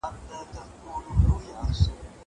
خلاص دلاسه دصياد سي